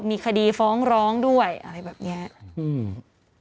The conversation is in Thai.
มีคดีฟ้องร้องด้วยอะไรแบบเนี้ยอืม